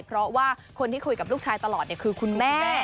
เพราะว่าคนที่คุยกับลูกชายตลอดคือคุณแม่